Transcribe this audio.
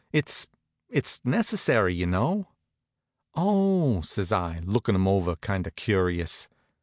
It's it's necessary, you know." "Oh!" says I, looking him over kind of curious.